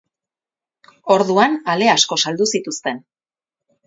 Orduan, ale asko saldu zituzten.